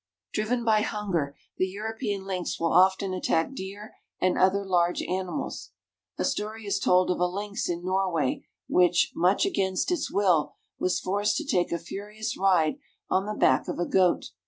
Driven by hunger, the European lynx will often attack deer and other large animals. A story is told of a lynx in Norway which, much against its will, was forced to take a furious ride on the back of a goat.